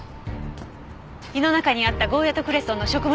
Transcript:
胃の中にあったゴーヤとクレソンの食物